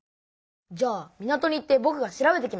じゃあ港に行ってぼくが調べてきます。